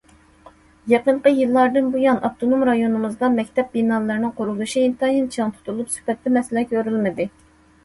يېقىنقى يىللاردىن بۇيان، ئاپتونوم رايونىمىزدا مەكتەپ بىنالىرىنىڭ قۇرۇلۇشى ئىنتايىن چىڭ تۇتۇلۇپ، سۈپەتتە مەسىلە كۆرۈلمىدى.